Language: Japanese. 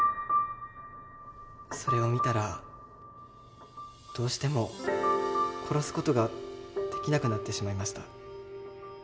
それを見たらどうしても殺す事ができなくなってしまいました。